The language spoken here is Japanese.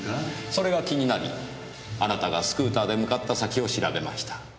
それが気になりあなたがスクーターで向かった先を調べました。